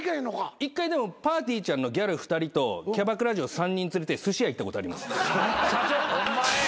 １回でもぱーてぃーちゃんのギャル２人とキャバクラ嬢３人連れてすし屋行ったことあります。